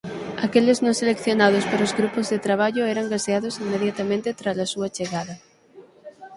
Aqueles non seleccionados para grupos de traballo eran gaseados inmediatamente trala súa chegada.